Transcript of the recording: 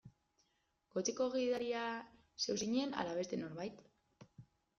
Kotxeko gidaria zeu zinen ala beste norbait?